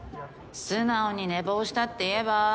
素直に寝坊したって言えば？